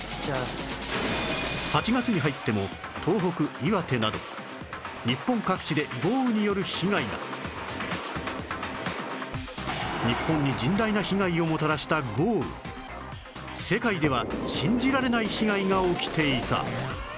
８月に入っても東北岩手など日本に甚大な被害をもたらした豪雨世界では信じられない被害が起きていた